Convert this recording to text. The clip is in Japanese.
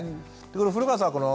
古川さん